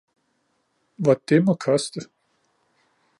Hvor det må koste